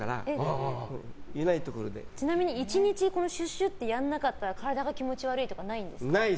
ちなみに１日シュッシュッとやらなかったら体が気持ち悪いとかないんですか？